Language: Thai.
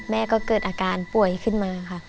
แม่ก็เกิดอาการป่วยขึ้นมาค่ะ